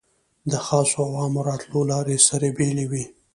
د خاصو او عامو راتلو لارې سره بېلې وې.